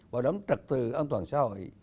và đấm trật từ an toàn xã hội